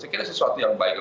saya kira sesuatu yang baik